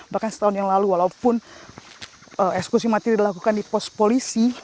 bahkan setahun yang lalu walaupun eksekusi mati dilakukan di pos polisi